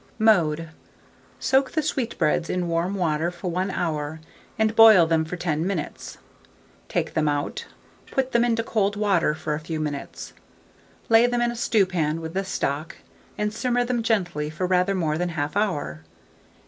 Mode. Soak the sweetbreads in warm water for 1 hour, and boil them for 10 minutes; take them out, put them into cold water for a few minutes; lay them in a stewpan with the stock, and simmer them gently for rather more than 1/2 hour.